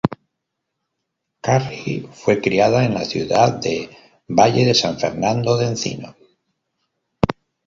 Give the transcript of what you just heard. Currie fue criada en la ciudad de Valle de San Fernando de Encino.